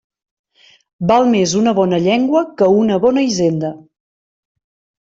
Val més una bona llengua que una bona hisenda.